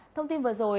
thông tin vừa rồi